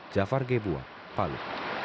jafar gebuang palu